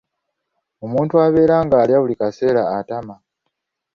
Omuntu abeera ng'alya buli kaseera atama.